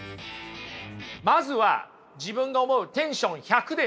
まずは自分の思うテンション１００でね